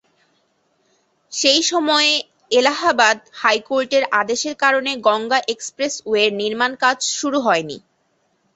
সেই সময়ে এলাহাবাদ হাইকোর্টের আদেশের কারণে গঙ্গা এক্সপ্রেসওয়ের নির্মাণ কাজ শুরু হয়নি।